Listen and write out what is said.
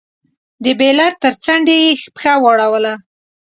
د بېلر تر څنډې يې پښه واړوله.